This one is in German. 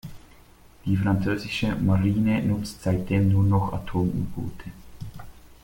Die französische Marine nutzt seitdem nur noch Atom-U-Boote.